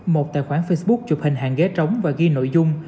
một tài khoản facebook chụp hình hàng ghế trống và ghi nội dung